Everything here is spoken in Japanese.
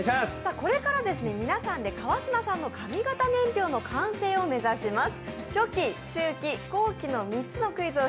これから皆さんで川島さんの髪形年表の完成を目指します。